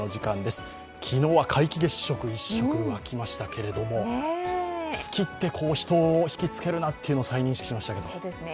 昨日は皆既月食一色で沸きましたけれども、月って、人を引き付けるなって再認識しましたね。